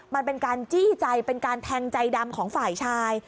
มันเป็นการจี้ใจเป็นการแทงใจดำของฝ่ายชาย